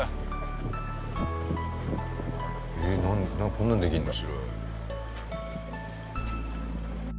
こんなのできるんだ。